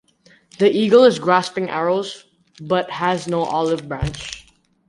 The eagle is grasping arrows, but has no olive branch.